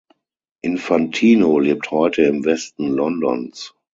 Infantino lebt heute im Westen Londons.